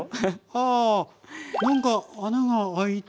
はあ何か穴が開いて。